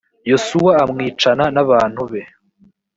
yosuwa amwicana n abantu be